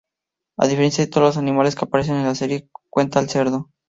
A diferencia de todos los animales que aparecen en la serie cuenta el cerdo.